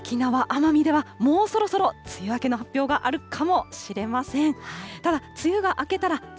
沖縄・奄美ではもうそろそろ梅雨明けの発表があるかもしれません。